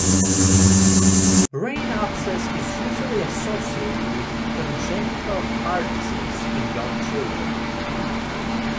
Brain abscess is usually associated with congenital heart disease in young children.